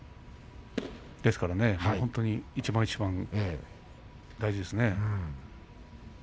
ですからね、本当に一番一番が大事ですね。